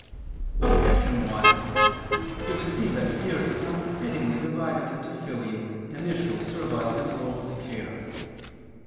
Objection 1: It would seem that fear is unfittingly divided into filial, initial, servile and worldly fear.